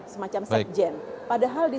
semacam sekjen padahal di